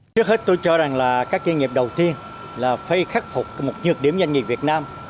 trước hết tôi cho rằng là các doanh nghiệp đầu tiên là phải khắc phục một nhược điểm doanh nghiệp việt nam